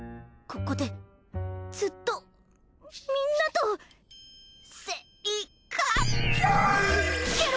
ここでずっとみんなとせいかつ。